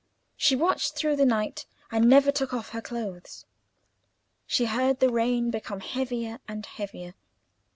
She watched through the night, and never took off her clothes. She heard the rain become heavier and heavier.